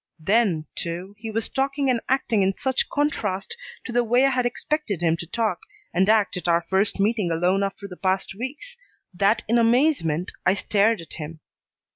Then, too, he was talking and acting in such contrast to the way I had expected him to talk and act at our first meeting alone after the past weeks, that in amazement I stared at him.